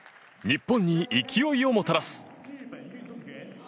日本に勢いをもたらす。